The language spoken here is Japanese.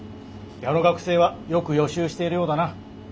矢野学生はよく予習しているようだな。